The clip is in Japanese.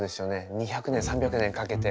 ２００年３００年かけて。